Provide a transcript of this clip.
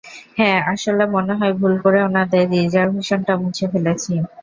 হ্যাঁ, আসলে, মনে হয় ভুল করে ওনাদের রিজার্ভেশনটা মুছে ফেলেছি।